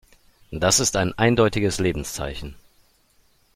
Das ist ein eindeutiges Lebenszeichen.